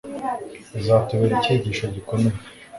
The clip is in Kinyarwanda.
zatubera ikigisho gikomeye